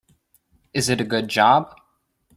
Is it a good job?